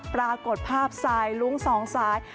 ปรากฏภาพและสายรุ้ง๒สาย